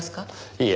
いえ。